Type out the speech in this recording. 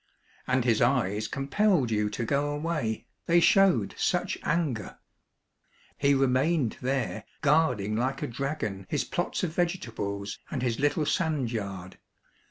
And his eyes com pelled you to go away, they showed such anger ; he remained there, guarding like a dragon his plots of vegetables and his little sand yard.